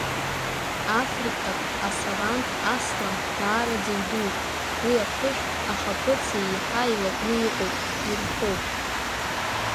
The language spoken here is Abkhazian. Африкатә асавантә аслан даараӡа идууп, уи аԥышә, ахаԥыци еиҳа илаҟәны иҟоуп, ирхәоуп.